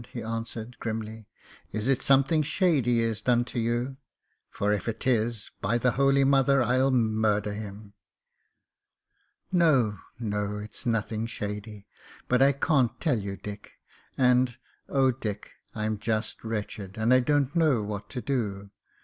he answered, grimly. "Is it something shady he has done to you? — for if it is, by the Holy Mother, I'll murder him." "No, no, it's nothing shady. But I can't tell you, Dick; and oh, Dick! I'm just wretched, and I don't know what to do."